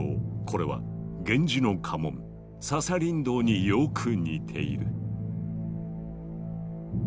これは源氏の家紋笹竜胆によく似ている。